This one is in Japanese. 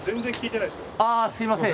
あすいません。